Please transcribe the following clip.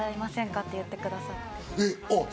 って言ってくださって。